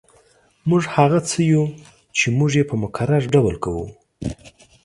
موږ هغه څه یو چې موږ یې په مکرر ډول کوو